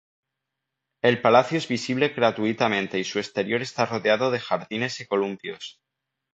El palacio es visitable gratuitamente y su exterior está rodeado de jardines y columpios.